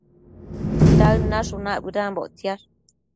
Daëd nashunac bëdanbo ictsiash